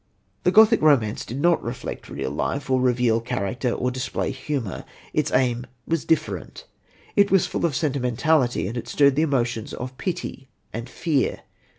The Gothic Romance did not reflect real life, or reveal character, or display humour. Its aim was different. It was full of sentimentality, and it stirred the emotions of pity and fear.